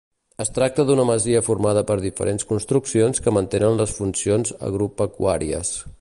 Es tracta d'una masia formada per diferents construccions que mantenen les funcions agropecuàries.